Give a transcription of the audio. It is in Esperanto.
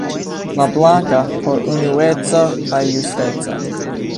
La blanka por unueco kaj justeco.